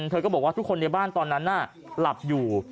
เธอก็บอกว่าทุกคนในบ้านตอนนั้นหลับอยู่